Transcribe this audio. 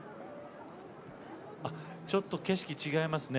ちょっと景色が違いますね。